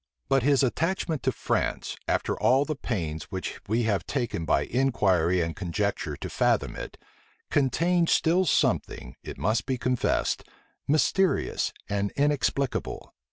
But his attachment to France, after all the pains which we have taken by inquiry and conjecture to fathom it, contains still something, it must be confessed, mysterious and inexplicable.